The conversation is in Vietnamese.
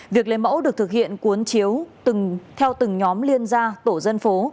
việc lấy mẫu được thực hiện cuốn chiếu theo từng nhóm liên gia tổ dân phố